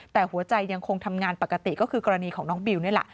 แต่หัวใจยังคงทำงานปกติก็คือกรณีของน้องบิวนี่แหละ